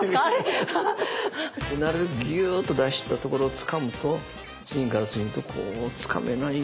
なるべくギューッと出したところをつかむと次から次へとこうつかめない。